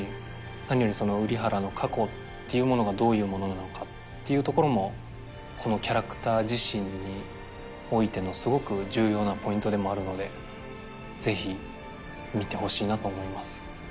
何より瓜原の過去っていうものがどういうものなのかっていうところもこのキャラクター自身においてのすごく重要なポイントでもあるのでぜひ見てほしいなと思います。